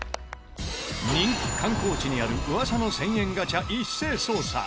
人気観光地にある噂の１０００円ガチャ一斉捜査。